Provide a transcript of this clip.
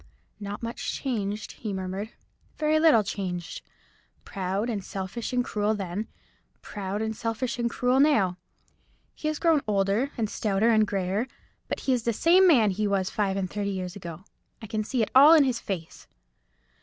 "Not much changed," he murmured; "very little changed! Proud, and selfish, and cruel then—proud, and selfish, and cruel now. He has grown older, and stouter, and greyer; but he is the same man he was five and thirty years ago. I can see it all in his face."